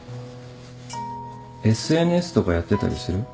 ＳＮＳとかやってたりする？